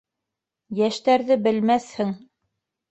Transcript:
Йәштәрҙе белмәҫһең...